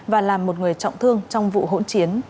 và làm một người trọng thương trong vụ hỗn chiến